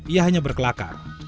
ia hanya berkelakar